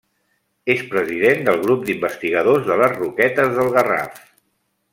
És president del Grup d'Investigadors de les Roquetes del Garraf.